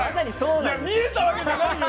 いや見えたわけじゃないよ